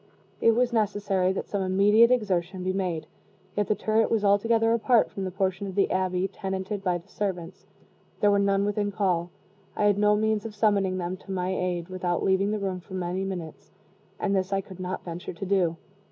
It was necessary that some immediate exertion be made; yet the turret was altogether apart from the portion of the abbey tenanted by the servants there were none within call I had no means of summoning them to my aid without leaving the room for many minutes and this I could not venture to do.